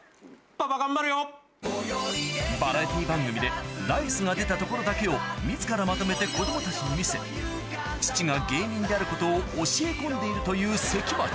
バラエティー番組でライスが出たところだけを自らまとめて子供たちに見せ父が芸人であることを教え込んでいるという関町・